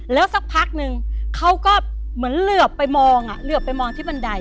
แล้วสักพักนึงเขาก็เหมือนเหลือบไปมองเหลือบไปมองที่บันได